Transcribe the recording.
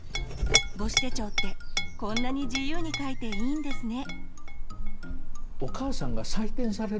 母子手帳ってこんなに自由にかいていいんですね。